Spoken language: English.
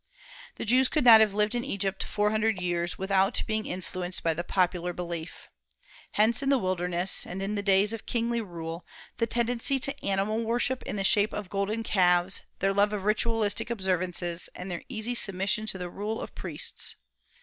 The Jews could not have lived in Egypt four hundred years without being influenced by the popular belief. Hence in the wilderness, and in the days of kingly rule, the tendency to animal worship in the shape of the golden calves, their love of ritualistic observances, and their easy submission to the rule of priests.